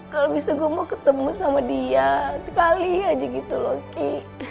kalau bisa gue mau ketemu sama dia sekali aja gitu loh ki